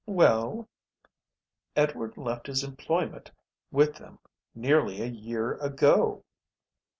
"Well?" "Edward left his employment with them nearly a year ago."